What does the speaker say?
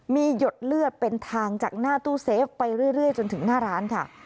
มีหยดเลือดเป็นทางจากหน้าตู้เซฟไปเรื่อยจนถึงหน้าร้านค่ะ